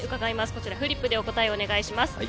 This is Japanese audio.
こちらフリップでお答えをお願いします。